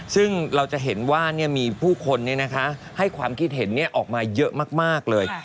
ซึ่งเราจะเห็นว่ามีผู้คนให้ความคิดเห็นออกมาเยอะมากเลย